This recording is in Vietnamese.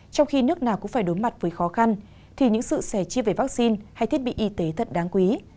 trong khi nước nào cũng phải đối mặt với khó khăn thì những sự sẻ chia về vaccine hay thiết bị y tế thật đáng quý